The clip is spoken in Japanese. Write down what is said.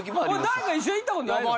誰か一緒に行ったことないの？